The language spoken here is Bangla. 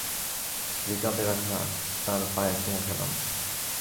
রিকাবে রাখা তাঁর পায়ে চুমু খেলাম।